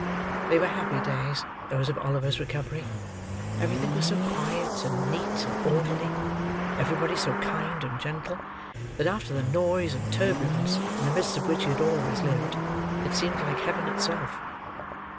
They were happy days, those of Oliver's recovery. Everything was so quiet, and neat, and orderly; everybody so kind and gentle; that after the noise and turbulence in the midst of which he had always lived, it seemed like Heaven itself.